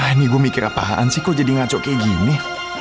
ah ini gue mikir apaan sih kok jadi ngaco kayak gini